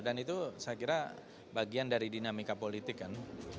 dan itu saya kira bagian dari dinamika politik kan